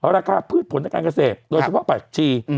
ราคาพืชผลทางการเกษตรโดยเฉพาะผักชี